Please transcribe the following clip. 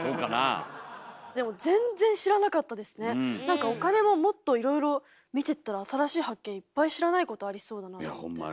何かお金ももっといろいろ見てったら新しい発見いっぱい知らないことありそうだなと思って。